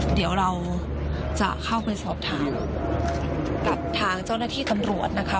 เดี๋ยวเราจะเข้าไปสอบถามกับทางเจ้าหน้าที่ตำรวจนะคะ